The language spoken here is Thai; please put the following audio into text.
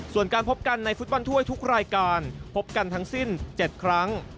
ส่วนการพบกันในฟุตบอลถ้วยทุกรายการพบกันทั้งสิ้น๗ครั้ง